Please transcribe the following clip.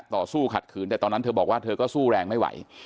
ต่อสู้ขัดขืนแต่ตอนนั้นเธอบอกว่าเธอก็สู้แรงไม่ไหว